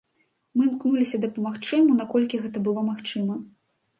Мы імкнуліся дапамагчы яму наколькі гэта было магчыма.